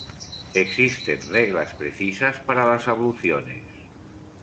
Existen reglas precisas para las abluciones.